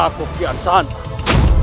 dimana putraku kian santang